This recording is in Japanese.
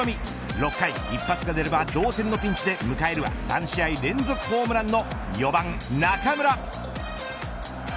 ６回一発が出れば同点のピンチで迎えるは３試合連続ホームランの４番、中村。